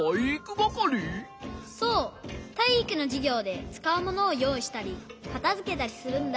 そうたいいくのじゅぎょうでつかうものをよういしたりかたづけたりするんだ。